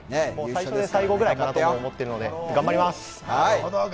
最初で最後ぐらいかなと思っているので、頑張ります。